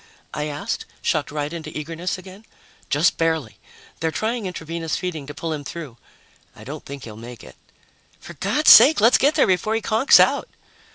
_" I asked, shocked right into eagerness again. "Just barely. They're trying intravenous feeding to pull him through. I don't think he'll make it." "For God's sake, let's get there before he conks out!"